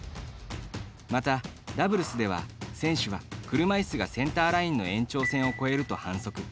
また、ダブルスでは選手は車いすがセンターラインの延長線を超えると反則。